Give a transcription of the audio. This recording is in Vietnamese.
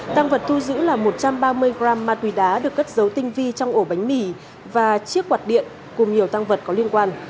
tăng vật thu giữ là một trăm ba mươi g ma túy đá được cất dấu tinh vi trong ổ bánh mì và chiếc quạt điện cùng nhiều tăng vật có liên quan